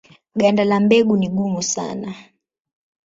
Ganda la mbegu ni gumu sana.